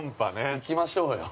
◆行きましょうよ。